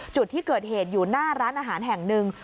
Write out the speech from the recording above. จุดที่เกิดเหตุอยู่หน้าร้านอาหารแห่งหนึ่ง